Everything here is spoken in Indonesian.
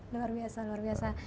luar biasa luar biasa